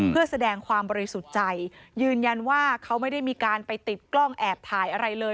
เพื่อแสดงความบริสุทธิ์ใจยืนยันว่าเขาไม่ได้มีการไปติดกล้องแอบถ่ายอะไรเลย